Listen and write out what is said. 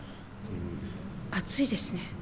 熱いですね。